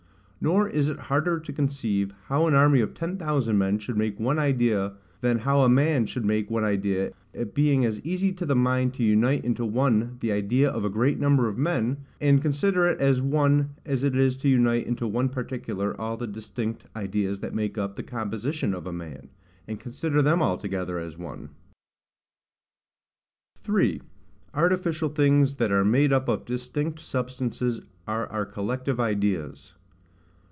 Nor is it harder to conceive how an army of ten thousand men should make one idea than how a man should make one idea; it being as easy to the mind to unite into one the idea of a great number of men, and consider it as one as it is to unite into one particular all the distinct ideas that make up the composition of a man, and consider them all together as one. 3. Artificial things that are made up of distinct substances are our collective Ideas.